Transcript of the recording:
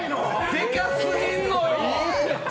デカすぎんのよ！